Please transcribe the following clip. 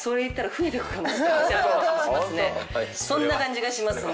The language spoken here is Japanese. そんな感じがしますね。